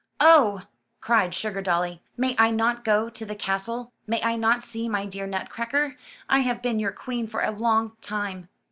''Oh,'* cried Sugardolly, ''may I not go to the cas tle? May I not see my dear Nutcracker? I have been vour queen for a long time.